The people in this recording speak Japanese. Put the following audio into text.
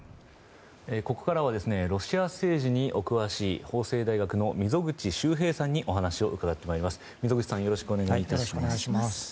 ここからはロシア政治にお詳しい法政大学の溝口修平さんにお話を伺ってまいります。